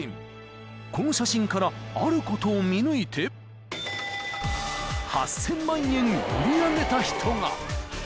［この写真からあることを見抜いて８，０００万円売り上げた人が］